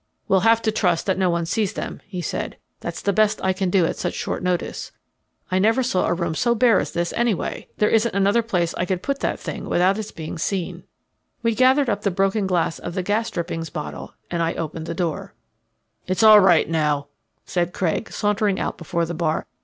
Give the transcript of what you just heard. "We'll have to trust that no one sees them," he said. "That's the best I can do at such short notice. I never saw a room so bare as this, anyway. There isn't another place I could put that thing without its being seen." We gathered up the broken glass of the gas drippings bottle, and I opened the door. "It's all right now," said Craig, sauntering out before the bar.